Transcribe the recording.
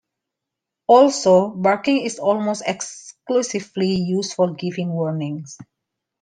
Also, barking is almost exclusively used for giving warnings.